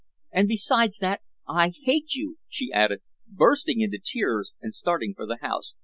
"And besides that, I hate you," she added, bursting into tears and starting for the house.